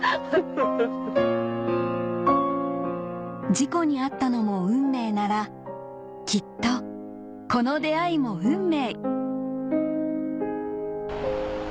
事故に遭ったのも運命ならきっとこの出会いも運命！